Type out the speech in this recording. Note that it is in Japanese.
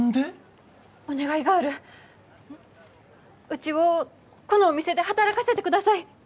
うちをこのお店で働かせてください。